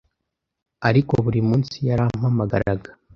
ariko buri munsi yarampamagaraga